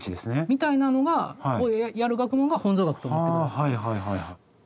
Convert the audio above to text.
みたいなのをやる学問が本草学と思って下さい。